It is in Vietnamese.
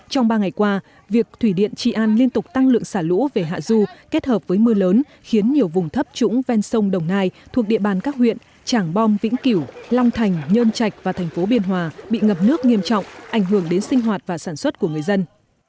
trong ba ngày qua việc thủy điện trị an liên tục tăng lượng xả lũ về hạ du kết hợp với mưa lớn khiến nhiều vùng thấp trũng ven sông đồng nai thuộc địa bàn các huyện tràng bom vĩnh kiểu long thành nhơn trạch và thành phố biên hòa bị ngập nước nghiêm trọng ảnh hưởng đến sinh hoạt và sản xuất của người dân